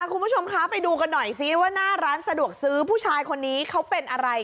คุณผู้ชมคะไปดูกันหน่อยซิว่าหน้าร้านสะดวกซื้อผู้ชายคนนี้เขาเป็นอะไร